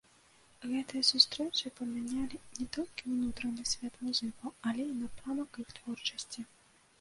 Гэтыя сустрэчы памянялі не толькі ўнутраны свет музыкаў, але і напрамак іх творчасці.